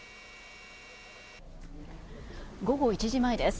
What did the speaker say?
午後１時前です。